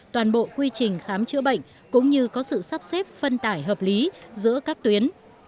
toàn bộ quy trình khám chữa bệnh cũng như có sự sắp xếp phân tải hợp lý giữa các tuyến